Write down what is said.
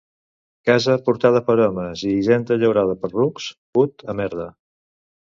Casa portada per homes i hisenda llaurada per rucs, put a merda.